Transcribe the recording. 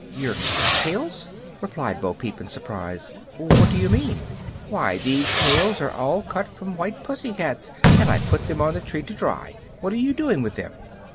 "Your cat tails!" replied Bo Peep, in surprise; "what do you mean?" "Why, these tails are all cut from white pussy cats, and I put them on the tree to dry. What are you doing with them?"